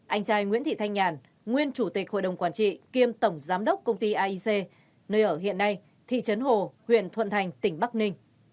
anh trai nguyễn thị thanh nhàn nguyên chủ tịch hội đồng quản trị